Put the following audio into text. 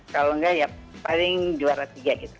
kalau enggak ya paling juara tiga gitu